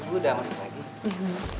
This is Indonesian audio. bu udah masuk lagi